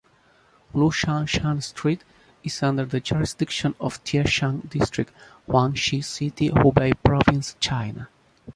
Luzhangshan Street is under the jurisdiction of Tieshan District, Huangshi City, Hubei Province, China.